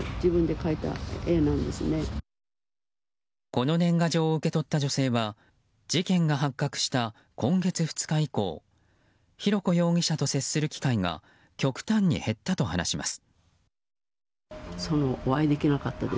この年賀状を受け取った女性は事件が発覚した今月２日以降浩子容疑者と接する機会が極端に減ったと話します。